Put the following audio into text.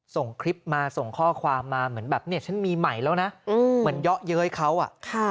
ส่งคลิปมาส่งข้อความมาเหมือนแบบเนี่ยฉันมีใหม่แล้วนะเหมือนเยาะเย้ยเขาอ่ะ